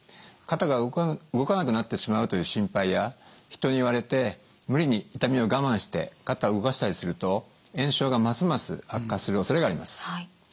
肩が動かなくなってしまうという心配や人に言われて無理に痛みを我慢して肩を動かしたりすると炎症がますます悪化するおそれがあります。